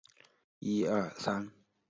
大概都不会超出他的预期